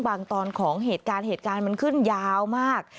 ตอนของเหตุการณ์เหตุการณ์มันขึ้นยาวมาก